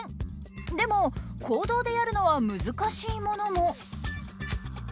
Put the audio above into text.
でも公道でやるのは難しいものも。